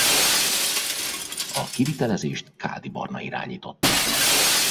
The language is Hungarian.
A kivitelezést Káldy Barna irányította.